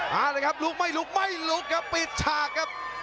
มาเลยครับลุกไม่ลุกไม่ลุกครับปิดฉากครับ